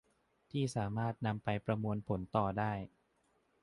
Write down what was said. ที่สามารถนำไปประมวลผลต่อได้